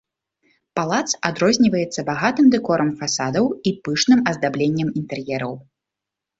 Палац адрозніваецца багатым дэкорам фасадаў і пышным аздабленнем інтэр'ераў.